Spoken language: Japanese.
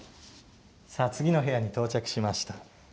次の部屋に到着しました。